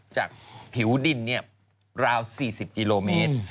จากผิวดินราว๔๐กิโลเมตร